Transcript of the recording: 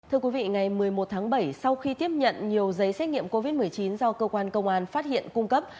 thưa quý vị ngày một mươi một tháng bảy sau khi tiếp nhận nhiều giấy xét nghiệm covid một mươi chín do cơ quan công an phát hiện cung cấp